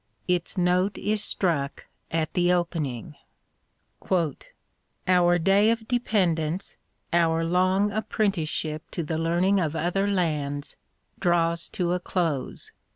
Its note is struck at the opening : Our day of dependence, our long apprenticeship to the learning of other lands, draws to a close.